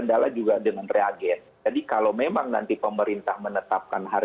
untuk pemutaran dan sudah semua orang saya memang ingin sekalian mempert equivalen